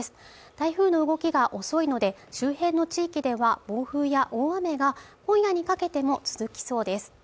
台風の動きが遅いので周辺の地域では暴風や大雨が今夜にかけても続きそうです